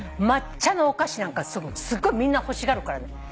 抹茶のお菓子なんかすごいみんな欲しがるからね。